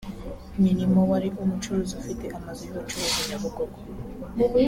Milimo wari umucuruzi ufite amazu y’ubucuruzi Nyabugogo